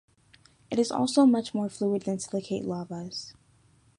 It is also much more fluid than silicate lavas.